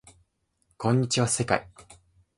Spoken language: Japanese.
こんにちは世界